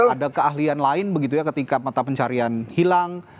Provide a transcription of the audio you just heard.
ada keahlian lain begitu ya ketika mata pencarian hilang